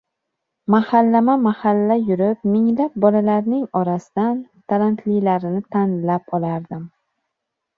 Mahallama-mahalla yurib minglab bolalarning orasidan talantlilarini tanlab olardim.